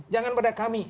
jangan pada kami